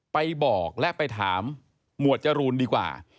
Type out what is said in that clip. ไปบอกและไปถามหมวดจรูนดีกว่า